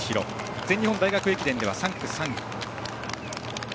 全日本大学駅伝で３区で３位。